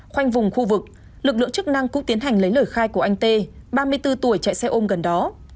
khoanh vùng khu vực lực lượng chức năng cũng tiến hành lấy lời khai của anh tê ba mươi bốn tuổi chạy xe ôm gần đó